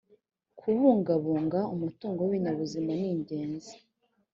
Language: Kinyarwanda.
kubungabunga umutungo w ibinyabuzima ningenzi